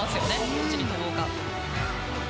どっちに跳ぼうか。